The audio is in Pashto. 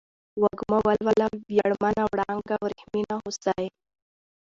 وږمه ، ولوله ، وياړمنه ، وړانگه ، ورېښمينه ، هوسۍ